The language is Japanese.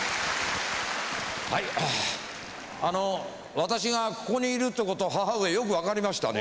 はいあの私がここにいるってこと義母上よく分かりましたね。